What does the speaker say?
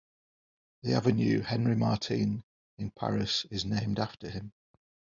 The Avenue Henri-Martin in Paris is named after him.